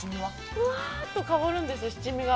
ふわーっと香るんです、七味が。